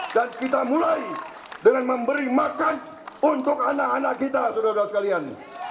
dan kita mulai dengan memberi makan untuk anak anak kita saudara saudara sekalian